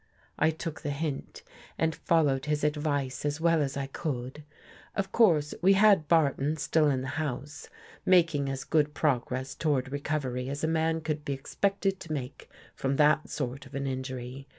I took the hint and followed his advice as well as I could. Of course we had Barton still in the house, making as good progress toward recovery as a man could be expected to make from that sort of an in jury.